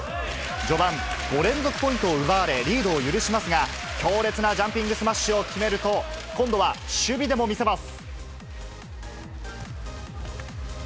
序盤、５連続ポイントを奪われ、リードを許しますが、強烈なジャンピングスマッシュを決めると、今度は守備でも見せます。